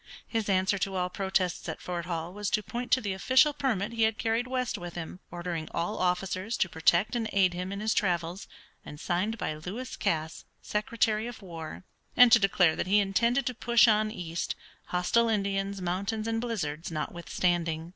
His answer to all protests at Fort Hall was to point to the official permit he had carried west with him, ordering all officers to protect and aid him in his travels, and signed by Lewis Cass, Secretary of War, and to declare that he intended to push on east, hostile Indians, mountains, and blizzards notwithstanding.